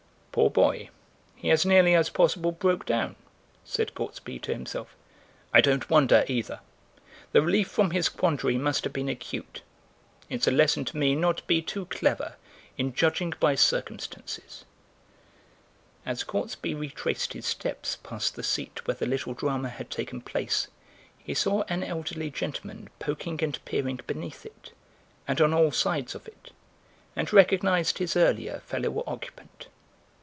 "Poor boy, he as nearly as possible broke down," said Gortsby to himself. "I don't wonder either; the relief from his quandary must have been acute. It's a lesson to me not to be too clever in judging by circumstances." As Gortsby retraced his steps past the seat where the little drama had taken place he saw an elderly gentleman poking and peering beneath it and on all sides of it, and recognised his earlier fellow occupant.